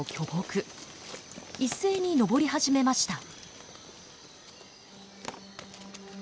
一斉に登り始めました。